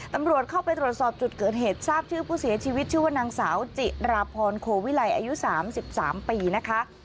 ตำรวจเข้าไปตรวจสอบจุดเกิดเหตุทราบชื่อผู้เสียชีวิตชื่อว่านางสาวจิราพรโควิลัยอายุ๓๓ปีนะคะ